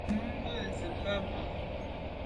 Nummbe ntse ke’ be.